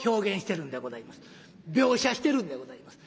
描写してるんでございます。